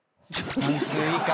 半数以下。